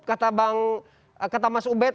kata bang kata mas ubed